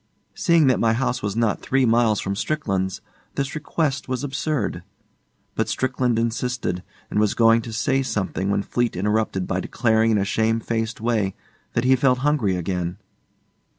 Seeing that my house was not three miles from Strickland's, this request was absurd. But Strickland insisted, and was going to say something when Fleete interrupted by declaring in a shamefaced way that he felt hungry again.